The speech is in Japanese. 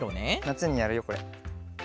なつにやるよこれ。